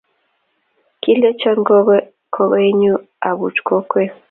kilenchon kokoenyu abuch kokwet